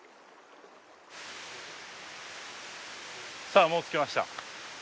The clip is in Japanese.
さあもう着きました。